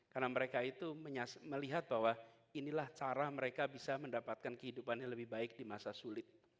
karena mereka itu melihat bahwa inilah cara mereka bisa mendapatkan kehidupannya lebih baik di masa sulit